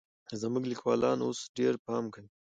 زموږ ليکوالان اوس ډېر پام کوي.